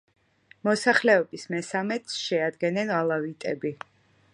მოსახლეობის მესამედს შეადგენენ ალავიტები.